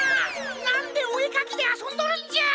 なんでおえかきであそんどるんじゃ！